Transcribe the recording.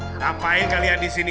kenapa kalian disini